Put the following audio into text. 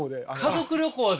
家族旅行で？